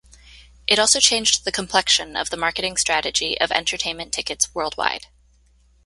It also changed the complexion of the marketing strategy of entertainment tickets worldwide.